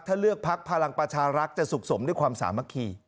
ถ้าเลือกพักพลังประชารักษ์จะสุขสมด้วยความสามัคคี